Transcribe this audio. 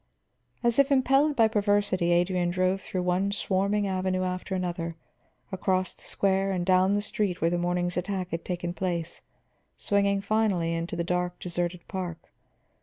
As if impelled by perversity, Adrian drove through one swarming avenue after another, across the square and down the street where the morning's attack had taken place, swinging finally into the dark, deserted park.